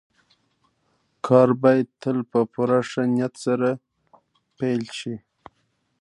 کار بايد تل په پوره ښه نيت سره پيل شي.